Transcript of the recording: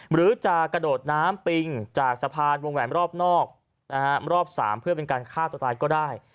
หรือจะกระโดดน้ำปิงจากสะพานวงแหวนรอบนอกรอบ๓เพื่อเป็นการฆ่าตัวตายก็ได้